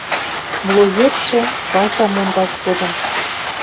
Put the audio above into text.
Млоецшӹ — Вася мондалт кодын